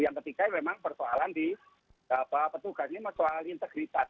yang ketiga memang persoalan di petugas ini soal integritas